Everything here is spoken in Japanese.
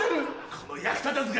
この役立たずが！